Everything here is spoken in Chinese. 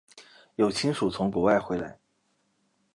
有亲属从国外回来